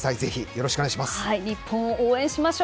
よろしくお願いします。